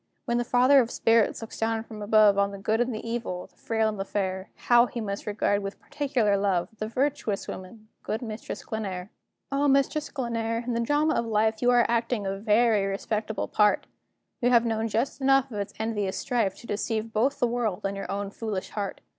When the Father of Spirits looks down from above On the good and the evil, the frail and the fair, How must he regard, with particular love, This virtuous woman good Mistress Glenare! O, Mistress Glenare! in the drama of life You are acting a very respectable part; You have known just enough of its envious strife To deceive both the world and your own foolish heart.